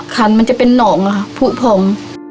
คันมันจะเป็นหนองค่ะผู้พอง